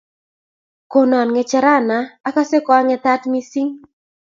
Konon ng'echerana ,akase koang'etat missing'.